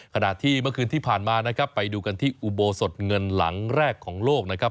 ขณะที่เมื่อคืนที่ผ่านมานะครับไปดูกันที่อุโบสถเงินหลังแรกของโลกนะครับ